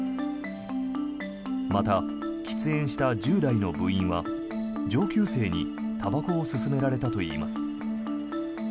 また、喫煙した１０代の部員は上級生にたばこを勧められたといいます。